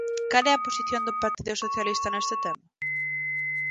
¿Cal é a posición do Partido Socialista neste tema?